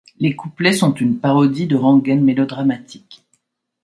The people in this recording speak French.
Les couplets sont une parodie de rengaine mélodramatique.